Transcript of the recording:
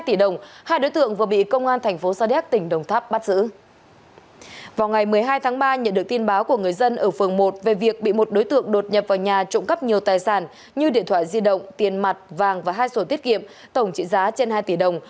vào ngày hai tháng ba nhận được tin báo của người dân ở phường một về việc bị một đối tượng đột nhập vào nhà trộm cắp nhiều tài sản như điện thoại di động tiền mặt vàng và hai sổ tiết kiệm tổng trị giá trên hai tỷ đồng